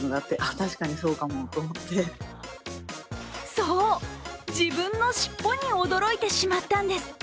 そう、自分の尻尾に驚いてしまったんです。